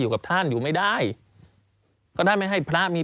สำหรับสนุนโดยหวานได้ทุกที่ที่มีพาเลส